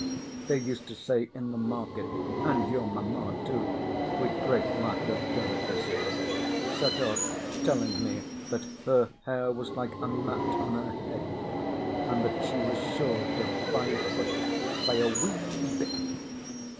They used to say in the market, and your mamma too, with great lack of delicacy, set off telling me that her hair was like a mat on her head, and that she was short of five foot by a wee bit.